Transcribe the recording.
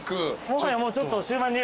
もはやもうちょっと。